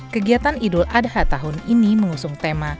kegiatan idul adha tahun ini mengusung tema